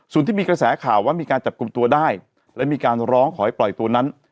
ส่วนที่มีกระแสข่าวว่ามีการจับกลุ่มตัวได้และมีการร้องขอให้ปล่อยตัวนั้น